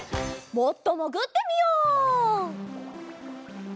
もっともぐってみよう！